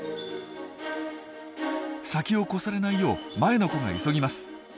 先を越されないよう前の子が急ぎます。